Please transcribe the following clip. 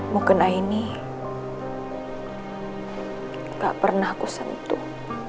mungkin aini gak pernah aku sentuh